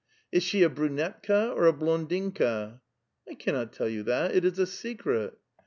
" ]s she a brunetka or a blondinkaf " I cannot tell you that ; it is a secret